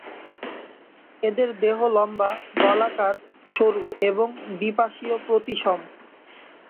এদের দেহ লম্বা, নলাকার, সরু এবং দ্বিপাশীয় প্রতিসম।